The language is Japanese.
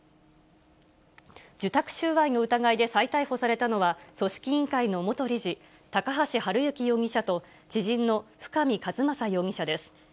受託収賄の疑いで再逮捕されたのは、組織委員会の元理事、高橋治之容疑者と知人の深見和政容疑者です。